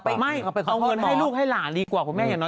ไม่เอาเงินให้ลูกให้หลานดีกว่าคุณแม่อย่างน้อย